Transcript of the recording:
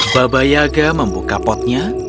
bapak yaga membuka potnya